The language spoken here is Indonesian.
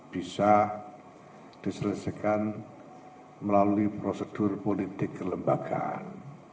bisa diselesaikan melalui prosedur politik kelembagaan